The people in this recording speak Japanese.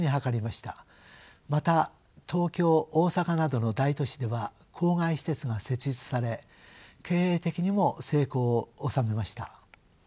また東京大阪などの大都市では郊外私鉄が設立され経営的にも成功を収めました。